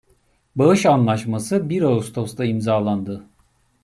Bağış anlaşması bir Ağustos'ta imzalandı.